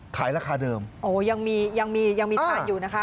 ขายราคาเดิมโอ้ยังมียังมียังมีทานอยู่นะคะ